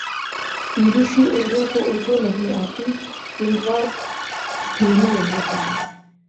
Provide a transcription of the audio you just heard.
be B C Urdu کو اردو نہیں آتی تیندوا ہندی میں ہوتاہے